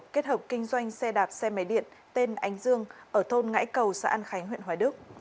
kết hợp kinh doanh xe đạp xe máy điện tên ánh dương ở thôn ngãi cầu xã an khánh huyện hoài đức